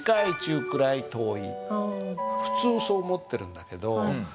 普通そう思ってるんだけど。